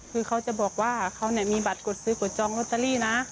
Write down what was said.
คือเขาจะบอกว่าเขามีบัตรกดซื้อกดจองลอตเตอรี่นะ